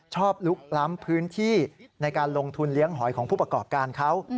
ลุกล้ำพื้นที่ในการลงทุนเลี้ยงหอยของผู้ประกอบการเขา